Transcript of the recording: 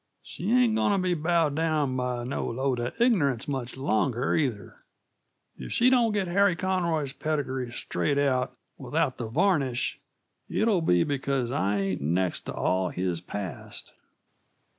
"She ain't goin' t' be bowed down by no load of ignorance much longer, either. If she don't get Harry Conroy's pedigree straight out, without the varnish, it'll be because I ain't next to all his past."